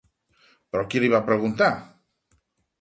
Però qui li va preguntar?